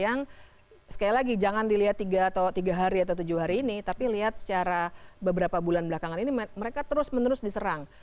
yang sekali lagi jangan dilihat tiga atau tiga hari atau tujuh hari ini tapi lihat secara beberapa bulan belakangan ini mereka terus menerus diserang